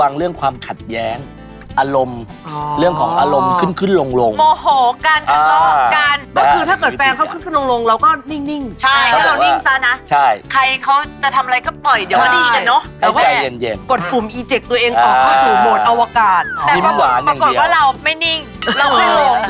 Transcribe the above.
ผู้ที่เกิดเดือนพิกายนจะได้ของที่ถูกใจหรอ